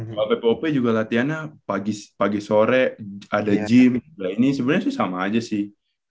pemain pick and pop juga latihannya pagi sore ada gym ini sebenarnya sih sama aja sih